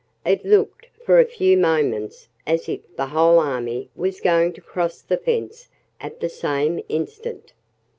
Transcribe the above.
It looked, for a few moments, as if the whole army was going to cross the fence at the same instant.